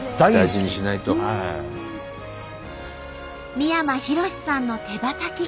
三山ひろしさんの手羽先。